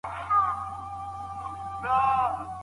ایا ځايي کروندګر وچ انار صادروي؟